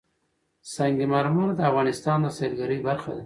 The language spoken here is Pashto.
سنگ مرمر د افغانستان د سیلګرۍ برخه ده.